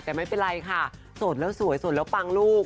แต่ไม่เป็นไรค่ะโสดแล้วสวยสดแล้วปังลูก